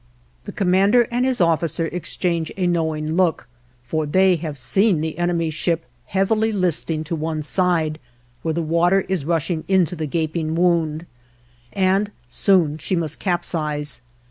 The commander and his officer exchange a knowing look, for they have seen the enemy's ship heavily listing to one side, where the water is rushing into the gaping wound, and soon she must capsize.